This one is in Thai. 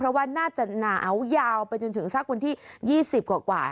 เพราะว่าน่าจะหนาวยาวไปจนถึงสักวันที่๒๐กว่า